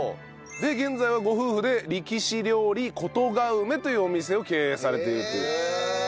で現在はご夫婦で力士料理琴ヶ梅というお店を経営されているという。